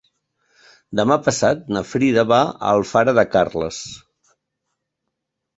Demà passat na Frida va a Alfara de Carles.